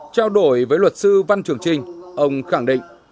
trao đổi với luật sư văn trường trinh ông khẳng định